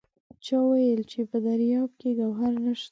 چا وایل چې په دریاب کې ګوهر نشته!